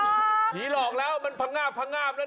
แผงหีหลอกมันพังงาบแล้วนี่